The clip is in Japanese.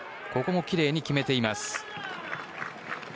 ここもきれいに決めています。